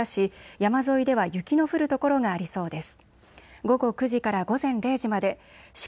山沿いでは雪の降る所がありそうです。